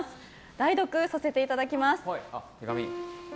代読させていただきます。